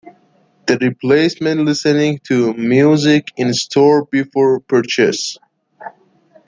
This replaces listening to music in a store before purchase.